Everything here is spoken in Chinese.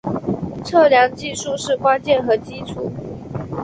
测量技术是关键和基础。